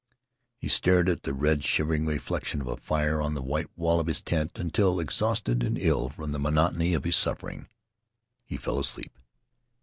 He stared at the red, shivering reflection of a fire on the white wall of his tent until, exhausted and ill from the monotony of his suffering, he fell asleep.